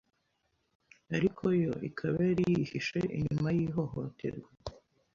ariko yo ikaba yari yihishe inyuma y’ihohoterwa